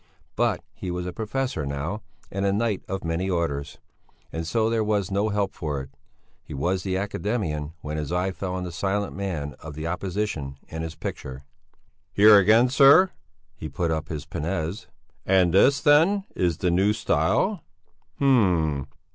But he was a professor now and a knight of many orders, and so there was no help for it. He was with the academician when his eye fell on the silent man of the opposition and his picture. "Here again, sir?" He put up his pince nez. "And this, then, is the new style! Hm!